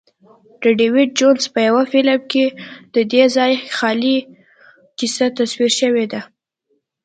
د ډیویډ جونز په یوه فلم کې ددې ځای خیالي کیسه تصویر شوې ده.